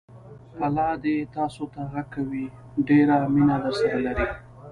پلا دې تاسوته غږ کوي، ډېره مینه درسره لري!